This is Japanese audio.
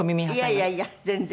いやいやいや全然。